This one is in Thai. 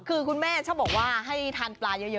คือคุณแม่ชอบบอกว่าให้ทานปลาเยอะ